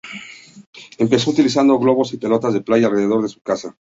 Empezó utilizando globos y pelotas de playa alrededor de su casa.